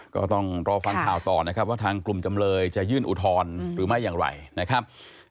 ก็ต้องรอฟังข่าวต่อนะครับว่าทางกลุ่มจำเลยจะยื่นอุทธรณ์หรือไม่อย่างไรนะครับ